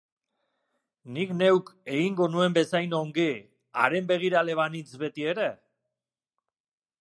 Nik neuk egingo nuen bezain ongi, haren begirale banintz betiere?